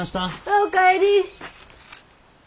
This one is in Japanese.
お帰り。